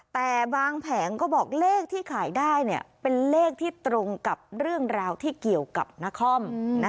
แต่บางแผงก็บอกเลขที่ขายได้เป็นเลขที่ตรงกับเรื่องราวที่เกี่ยวกับนคร